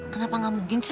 kenapa nggak mungkin sih